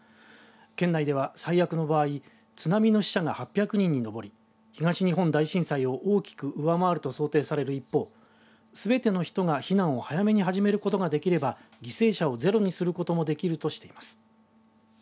県内では、最悪の場合津波の死者が８００人に上り東日本大震災を大きく上回ると想定される一方すべての人が避難を早めに始めることができれば犠牲者をゼロにすることもできるとしています。